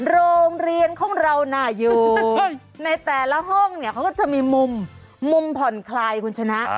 โรงเรียนของเราน่ายืนในแต่ละห้องเนี่ยเขาก็จะมีมุมผ่อนคลายคุณชนะ